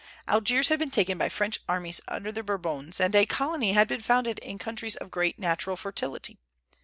Algiers had been taken by French armies under the Bourbons, and a colony had been founded in countries of great natural fertility.